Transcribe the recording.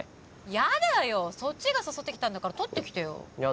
やだよ、そっちが誘ってきたんだからとってきてよ。